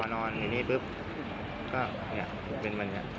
มานอนนี่ปุ๊บก็เป็นมันอย่างนี้